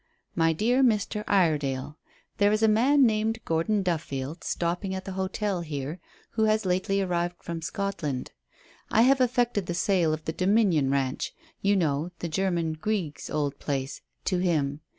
"MY DEAR MR. IREDALE," "There is a man named Gordon Duffield stopping at the hotel here, who has lately arrived from Scotland. I have effected the sale of the Dominion Ranch you know, the German, Grieg's, old place to him.